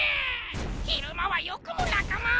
昼間はよくも仲間を！